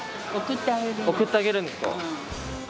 送ってあげるんですか。